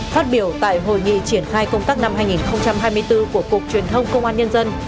phát biểu tại hội nghị triển khai công tác năm hai nghìn hai mươi bốn của cục truyền thông công an nhân dân